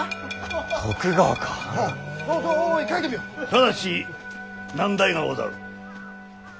ただし難題がござる。